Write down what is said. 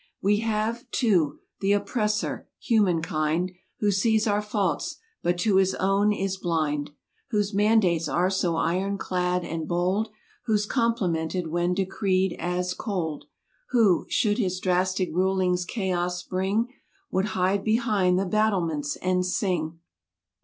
We have, too, the oppressor, human kind. Who sees our faults but to his own is blind; Whose mandates are so iron clad and bold; Who's complimented when decreed as "cold." Who, should his drastic rulings chaos bring. Would hide behind the battlements and sing.